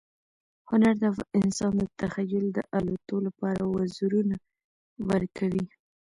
هنر د انسان د تخیل د الوت لپاره وزرونه ورکوي.